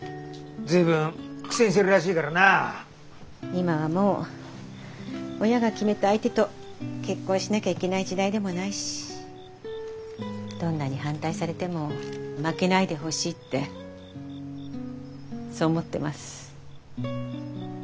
今はもう親が決めた相手と結婚しなきゃいけない時代でもないしどんなに反対されても負けないでほしいってそう思ってます。